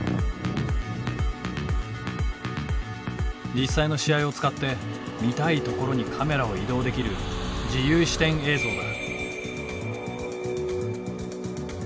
実際の試合を使って見たい所にカメラを移動できる自由視点映像だ。